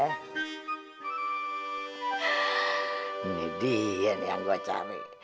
ini dia nih yang gue cabai